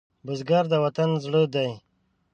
بزګر د وطن زړه دی